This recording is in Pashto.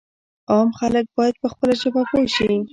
عام خلک باید په خپله ژبه پوه شي.